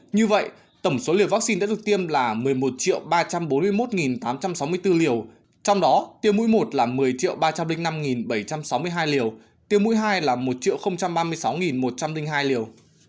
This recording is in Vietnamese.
như vậy tổng số liều vaccine đã được tiêm là một mươi một ba trăm bốn mươi một tám trăm sáu mươi bốn liều trong đó tiêm mũi một là một mươi ba trăm linh năm bảy trăm sáu mươi hai liều tiêm mũi hai là một ba mươi sáu một trăm linh hai liều